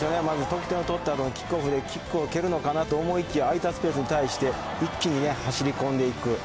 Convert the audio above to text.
まず得点を取ったあとのキックオフでキックを蹴るのかなと思いきや空いたスペースに対して一気に走り込んでいく。